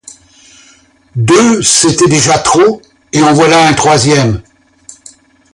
Deux, c'était déjà trop, et en voilà un troisième!